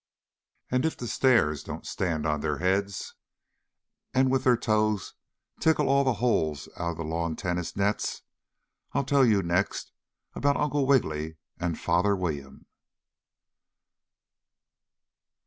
And if the stairs don't stand on their heads and with their toes tickle all the holes out of the lawn tennis nets, I'll tell you next about Uncle Wiggily and Father William.